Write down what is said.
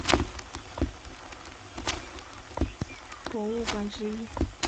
因此世界文化博物馆也是法兰克福博物馆岸最早的博物馆之一。